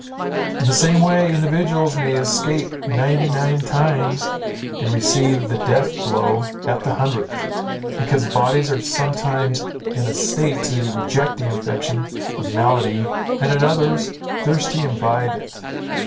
In the same way, individuals may escape ninety nine times, and receive the death blow at the hundredth; because bodies are sometimes in a state to reject the infection of malady, and at others, thirsty to imbibe it.